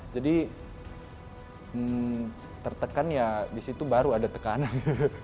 jadi tertekan ya disitu baru ada tekanan